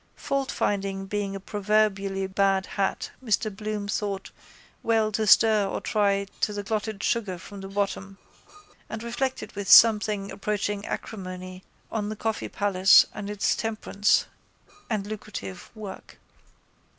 Faultfinding being a proverbially bad hat Mr Bloom thought well to stir or try to the clotted sugar from the bottom and reflected with something approaching acrimony on the Coffee Palace and its temperance (and lucrative) work.